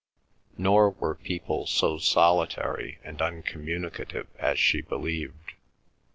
Nor were people so solitary and uncommunicative as she believed.